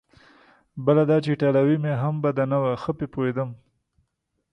بله دا چې ایټالوي مې هم بده نه وه، ښه پرې پوهېدم.